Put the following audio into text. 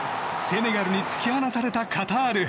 セネガルに突き放されたカタール。